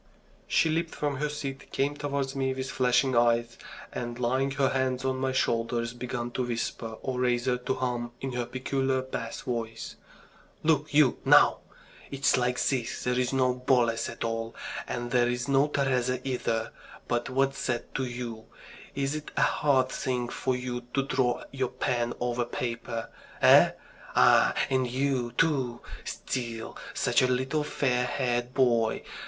She leaped from her seat, came towards me with flashing eyes, and laying her hands on my shoulders, began to whisper, or rather to hum in her peculiar bass voice: "Look you, now! It's like this. There's no Boles at all, and there's no Teresa either. But what's that to you? Is it a hard thing for you to draw your pen over paper? Eh? Ah, and you, too! Still such a little fair haired boy!